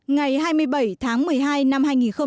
ngày hai mươi bảy tháng một mươi hai năm hai nghìn một mươi chín